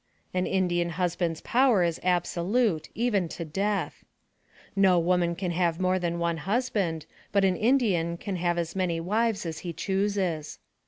An Indian husband's power is absolute, even to death. No woman can have more than one husband, but an Indian can have as many wives as he chooses.